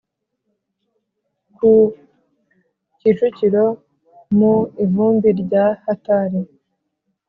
ku kicukiro mu ivumbi rya hatari